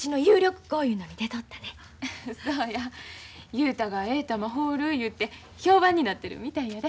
雄太がええ球放るいうて評判になってるみたいやで。